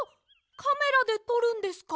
カメラでとるんですか？